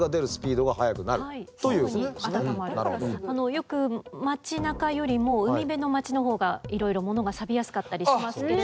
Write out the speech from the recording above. よく町なかよりも海辺の町のほうがいろいろ物がサビやすかったりしますけれども。